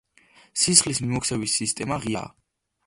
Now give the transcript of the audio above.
სისხლის მიმოქცევის სისტემა ღიაა.